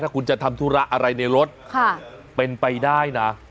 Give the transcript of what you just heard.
คุณจะทำธุระอะไรในรถเป็นไปได้นะ